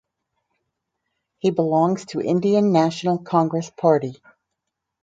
He belongs to Indian National Congress Party.